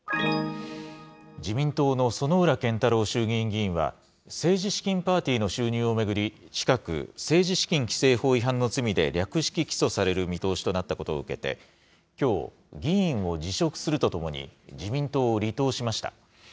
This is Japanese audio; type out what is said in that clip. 自民党の薗浦健太郎衆議院議員は、政治資金パーティーの収入を巡り、近く、政治資金規正法違反の罪で略式起訴される見通しとなったことを受けて、きょう、議員を辞職するとともに、自民党を離党しました。